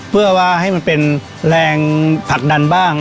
เพื่อว่าให้มันเป็นแรงผลักดันบ้าง